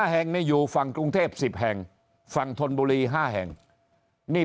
๕แห่งนี้อยู่ฝั่งกรุงเทพ๑๐แห่งฝั่งธนบุรี๕แห่งนี่